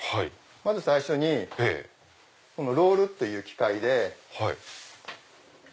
まず最初にロールという機械で。